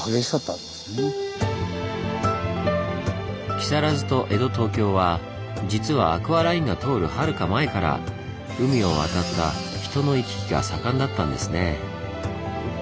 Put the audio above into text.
木更津と江戸・東京は実はアクアラインが通るはるか前から海を渡った人の行き来が盛んだったんですねぇ。